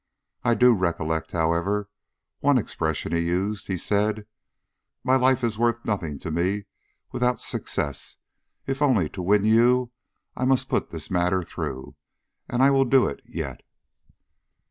"I do recollect, however, one expression he used. He said: 'My life is worth nothing to me without success. If only to win you, I must put this matter through; and I will do it yet.'"